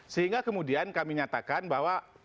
sehingga kemudian kami nyatakan bahwa